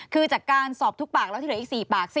คือจากการสอบทุกปากแล้วที่เหลืออีก๔ปาก